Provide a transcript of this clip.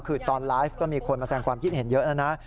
คือตอนไลฟ์ก็มีคนมาแสงความคิดเห็นเยอะแล้วนะ